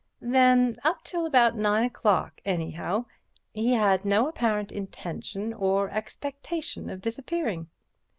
"Then up till about nine o'clock, anyhow, he had no apparent intention or expectation of disappearing."